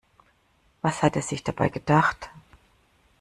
Was hat er sich dabei gedacht?